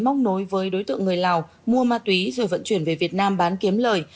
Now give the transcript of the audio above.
móc nối với đối tượng người lào mua ma túy rồi vận chuyển về việt nam bán kiếm lời